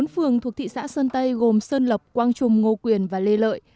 bốn phường thuộc thị xã sơn tây gồm sơn lập quang trung ngô quyền và lê lợi